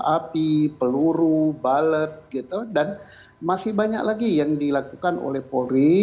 api peluru balet gitu dan masih banyak lagi yang dilakukan oleh polri